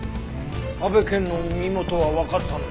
阿部健の身元はわかったのに。